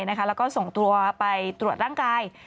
แล้วก็ส่งตัวไปตรวจร่างกาย